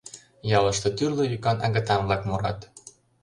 Ялыште тӱрлӧ йӱкан агытан-влак мурат.